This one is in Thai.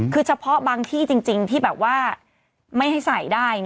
คือเฉพาะบางที่จริงที่แบบว่าไม่ให้ใส่ได้